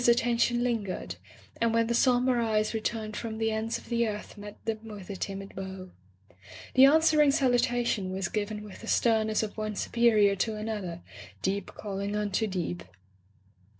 Here, for a litde, Walker's attention lingered, and when the sombre eyes returned from the ends of the earth met them with a timid bow. The an swering salutation was given with the stern ness of one superior to another — deep calling unto deep.